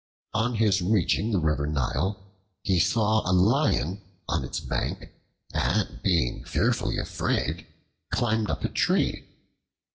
On his reaching the river Nile he saw a Lion on its bank and being fearfully afraid, climbed up a tree.